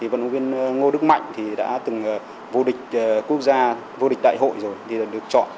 vận động viên ngô đức mạnh đã từng vô địch quốc gia vô địch đại hội rồi thì được chọn